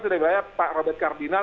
sudah dibayar pak robert kardinal